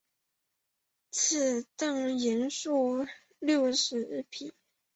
赐郑璩素六十匹。